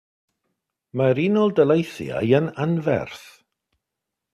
Mae'r Unol Daleithiau yn anferth.